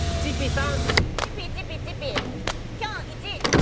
３。